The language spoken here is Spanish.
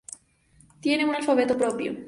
Tiene un alfabeto propio.